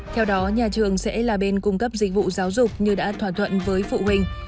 theo đó nhà trường sẽ là bên cung cấp dịch vụ giáo dục như đã thỏa thuận với phụ huynh